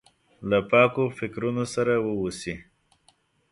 له پاکو فکرونو سره واوسي.